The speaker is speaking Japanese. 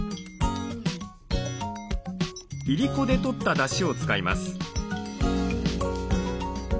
いりこでとっただしを使います。